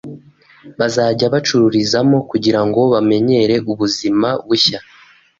bazajya bacururizamo kugira ngo bamenyere ubuzima bushya